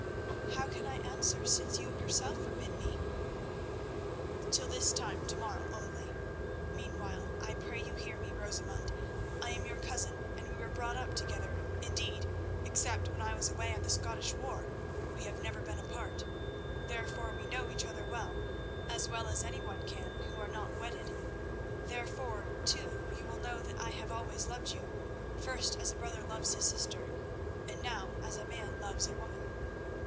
"How can I answer since you yourself forbid me?" "Till this time to morrow only. Meanwhile, I pray you hear me, Rosamund. I am your cousin, and we were brought up together—indeed, except when I was away at the Scottish war, we have never been apart. Therefore, we know each other well, as well as any can who are not wedded. Therefore, too, you will know that I have always loved you, first as a brother loves his sister, and now as a man loves a woman."